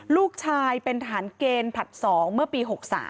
ลูกชายเป็นทหารเกณฑ์ผลัด๒เมื่อปี๖๓